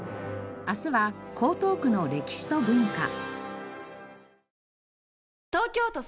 明日は江東区の歴史と文化。